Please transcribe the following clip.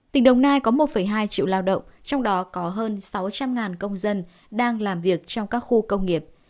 tỉnh đồng nai có một hai triệu lao động trong đó có hơn sáu trăm linh công dân đang làm việc trong các khu công nghiệp